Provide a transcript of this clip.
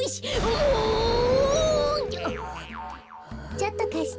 ちょっとかして。